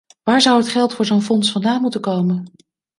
Waar zou het geld voor zo'n fonds vandaan moeten komen?